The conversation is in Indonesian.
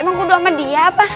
emang kudu sama dia apa